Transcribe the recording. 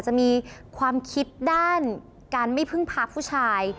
จะมีความคิดด้านการไม่พึ่งพาผู้ชาย